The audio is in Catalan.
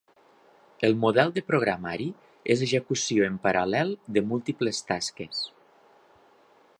El model de programari és execució en paral·lel de múltiples tasques.